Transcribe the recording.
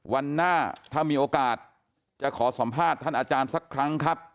วันหน้าถ้ามีโอกาสจะขอสัมภาษณ์ท่านอาจารย์สักครั้งครับ